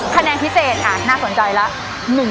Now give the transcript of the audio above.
คะแนนพิเศษค่ะน่าสนใจแล้ว